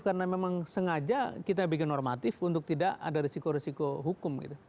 karena memang sengaja kita bikin normatif untuk tidak ada risiko risiko hukum gitu